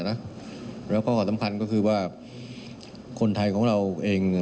แล้วก็ขอสำคัญก็คือว่าคนไทยของเราเองเนี่ย